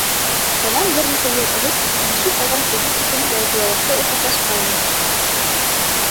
— Бынан бер нисә йыл элек танышым алған кредит өсөн яуаплылыҡты уртаҡлашҡайным.